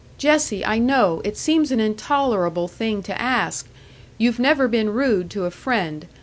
"Jessie, I know it seems an intolerable thing to ask! You've never been rude to a friend.